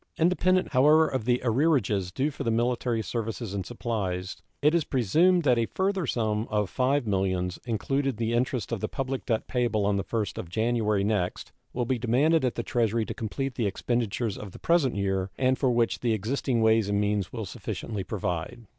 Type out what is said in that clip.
Independent, however of the arrearages due for military services and supplies, it is presumed that a further sum of $5 millions, including the interest on the public debt payable on the 1st of January next, will be demanded at the Treasury to complete the expenditures of the present year, and for which the existing ways and means will sufficiently provide.